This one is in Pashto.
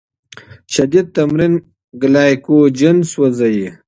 شدید تمرین ګلایکوجن سوځوي.